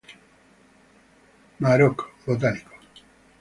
Maroc, Bot.